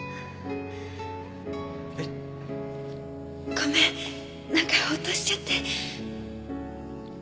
ごめんなんかホッとしちゃって。